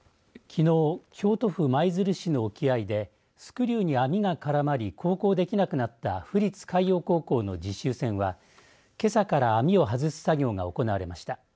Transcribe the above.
きのう、京都府舞鶴市の沖合でスクリューに網が絡まり航行できなくなった府立海洋高校の実習船はけさから網を外す作業が行われました。